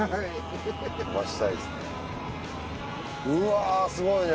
うわぁすごいね！